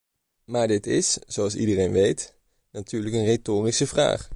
Maar dit is, zoals iedereen weet, natuurlijk een retorische vraag.